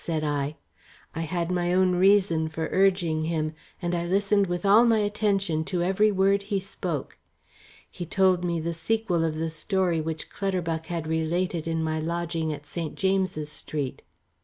said I. I had my own reason for urging him, and I listened with all my attention to every word he spoke. He told me the sequel of the story which Clutterbuck had related in my lodging at St. James's Street.